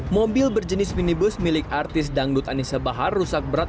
mobil berjenis minibus milik artis dangdut anissa bahar rusak berat